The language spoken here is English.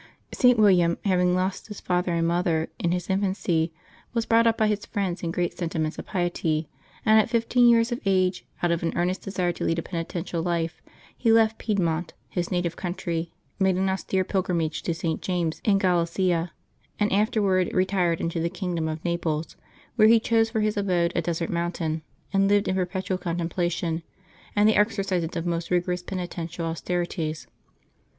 St. William, having lost his father and mother in his infancy, was brought up by his friends in great sentiments of piety; and at fifteen years of age, out of an earnest desire to lead a penitential life, he left Piedmont, his native country, made an austere pilgrimage to St. James's in Galicia, and afterward retired into the kingdom of Naples, where he chose for his abode a desert mountain, and lived in perpetual contemplation and the exercises of most rigor * 0U3 penitential austerities.